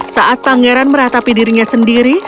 saat pangeran meratapi dirinya sendiri